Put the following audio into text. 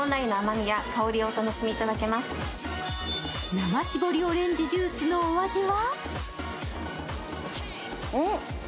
生搾りオレンジジュースのお味は？